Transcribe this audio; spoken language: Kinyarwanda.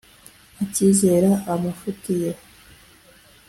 akizera amafuti ye